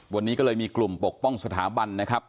วันนี้ก็เลยมีกลุ่มปกป้องสถาบันนะครับ